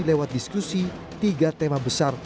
lewat diskusi tiga tema besar